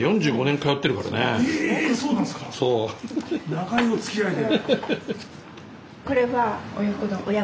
長いおつきあいで。